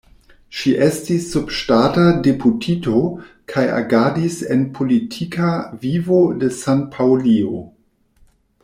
Ŝi estis subŝtata deputito kaj agadis en politika vivo de San-Paŭlio.